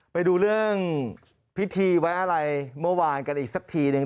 ไปดูเรื่องพิธีไว้อะไรเมื่อวานกันอีกสักทีหนึ่ง